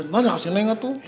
nanya ke si leng enggak tuh